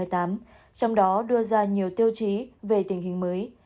trong đó đưa ra nhiều tiêu chí về tình hình mới